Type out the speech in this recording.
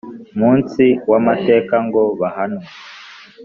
munsi w amateka ngo bahanwe